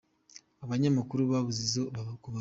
Abanyamakuru babuze izo kubara.